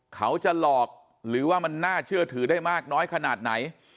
เขาจะหลอกหรือว่ามันน่าเชื่อถือได้มากน้อยขนาดไหน